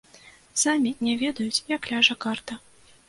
Самі не ведаюць, як ляжа карта.